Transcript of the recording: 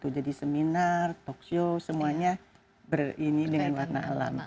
jadi seminar talkshow semuanya berini dengan warna alam